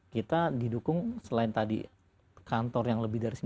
kita didukung selain tadi kantor yang lebih dari sini